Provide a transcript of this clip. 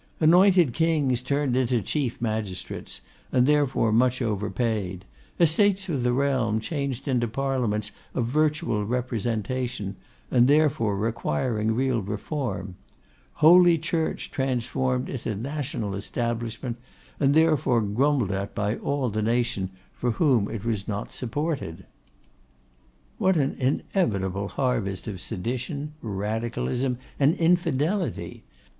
Anointed kings turned into chief magistrates, and therefore much overpaid; estates of the realm changed into parliaments of virtual representation, and therefore requiring real reform; holy Church transformed into national establishment, and therefore grumbled at by all the nation for whom it was not supported. What an inevitable harvest of sedition, radicalism, infidelity!